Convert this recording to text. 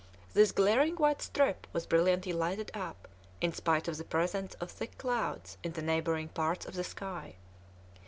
This glaring white strip was brilliantly lighted up, in spite of the presence of thick clouds in the neighbouring parts of the sky.